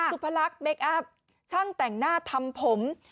สุภาลักษณ์เบคแอปช่างแต่งหน้าทำผม